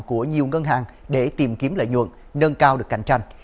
của nhiều ngân hàng để tìm kiếm lợi nhuận nâng cao được cạnh tranh